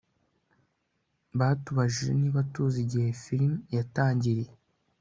Batubajije niba tuzi igihe film yatangiriye